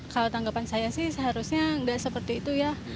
kalau tanggapan saya sih seharusnya nggak seperti itu ya